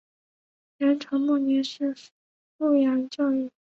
元朝末年是富阳教谕。